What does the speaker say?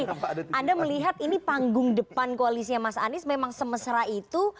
anda melihat ini panggung depan koalisnya mas anies memang semesra itu